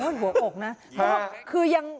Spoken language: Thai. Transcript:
ตายหวะกูไปเลาก